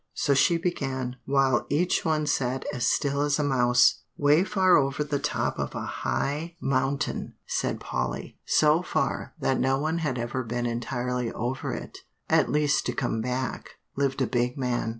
So she began, while each one sat as still as a mouse. "Way far over the top of a high mountain," said Polly, "so far that no one had ever been entirely over it, at least to come back, lived a big man.